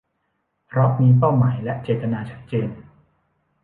เพราะมีเป้าหมายและเจตนาชัดเจน